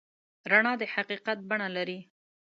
رڼا د حقیقت بڼه لري.